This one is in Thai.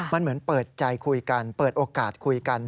มันเหมือนเปิดใจคุยกันเปิดโอกาสคุยกัน